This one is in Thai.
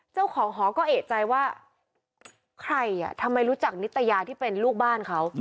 เจ้าของหอก็เอกใจว่าใครอ่ะทำไมรู้จักนิตยาที่เป็นลูกบ้านเขา